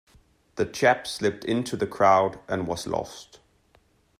The chap slipped into the crowd and was lost.